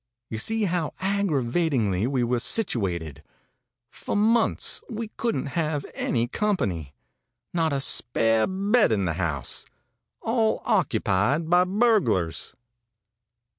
You see how aggravatingly we were situated. For months we couldn't have any company. Not a spare bed in the house; all occupied by burglars.